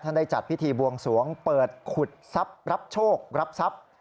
ได้จัดพิธีบวงสวงเปิดขุดทรัพย์รับโชครับทรัพย์